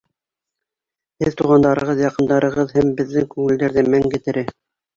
Һеҙ туғандарығыҙ, яҡындарығыҙ һәм беҙҙең күңелдәрҙә мәңге тере...